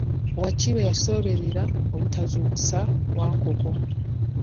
Wakibe yasooberera obutazuukusa Wankoko.